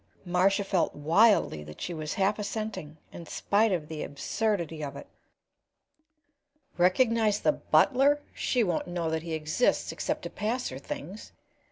Marcia felt wildly that she was half assenting, in spite of the absurdity of it. "Recognize the butler? She won't know that he exists except to pass her things.